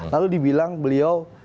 lalu dibilang beliau